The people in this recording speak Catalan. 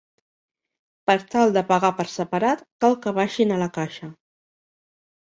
Per tal de pagar per separat cal que vagin a la caixa.